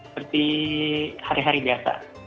seperti hari hari biasa